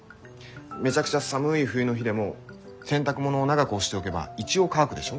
めちゃくちゃ寒い冬の日でも洗濯物を長く干しておけば一応乾くでしょ？